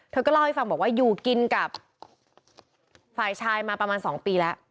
เธอก็เล่าให้ฟังบอกว่าอยู่กินกับฝ่ายชายมาประมาณ๒ปีแล้ว